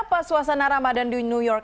apa suasana ramadan di new york